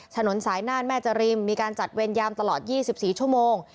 ถนนสายน่านแม่จริมมีการจัดเวรยามตลอด๒๔ชั่วโมง